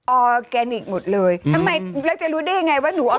ออร์แกนิคหมดเลยทำไมแล้วจะรู้ได้ยังไงว่าหนูเอา